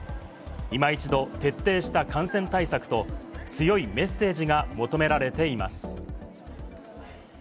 今一度、徹底した感染対策と、強いメッセージが求められています。